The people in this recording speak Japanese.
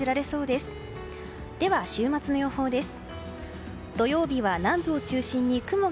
では、週末の予報です。